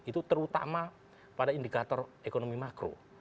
itu terutama pada indikator ekonomi makro